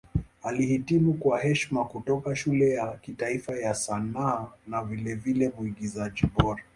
Alihitimu kwa heshima kutoka Shule ya Kitaifa ya Sanaa na vilevile Mwigizaji Bora.